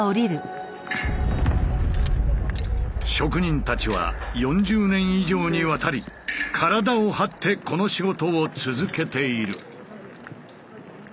職人たちは４０年以上にわたり体を張ってこの仕事を続けている。